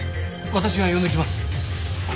私が呼んできます。